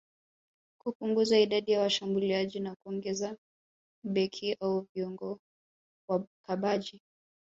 kupunguza idadi ya washambuliaji na kuongeza beki au viungo wakabaji